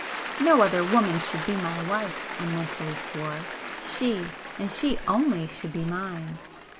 No other woman should be my wife, I mentally swore,—she, and she only should be mine!